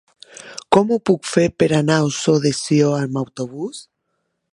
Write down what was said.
Com ho puc fer per anar a Ossó de Sió amb autobús?